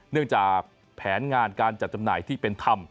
เนื่องจากแผนงานการจัดจำหน่ายที่เป็นธรรม